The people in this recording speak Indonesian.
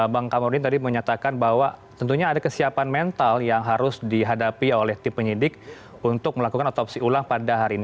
bang kamarudin tadi menyatakan bahwa tentunya ada kesiapan mental yang harus dihadapi oleh tim penyidik untuk melakukan otopsi ulang pada hari ini